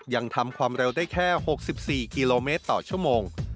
ยังทำความเร็วได้แค่๖๔กิโลเมตรต่อชั่วโมง